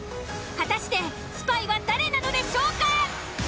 果たしてスパイは誰なのでしょうか？